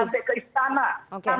kalau banjir sampai ke istana